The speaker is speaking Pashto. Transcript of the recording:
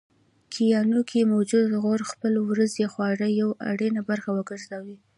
کبانو کې موجود غوړ خپل ورځنۍ خواړه یوه اړینه برخه وګرځوئ